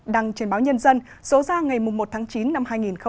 đăng trên báo nhân dân số ra ngày một tháng chín năm hai nghìn hai mươi